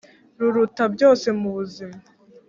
ruruta byose mu buzima